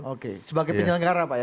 oke sebagai penyelenggara maksudnya